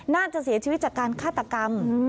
น่าจะเสียชีวิตจากการฆาตกรรม